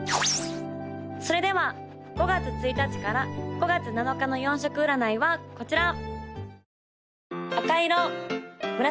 ・それでは５月１日から５月７日の４色占いはこちら！